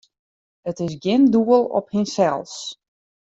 It is gjin doel op himsels.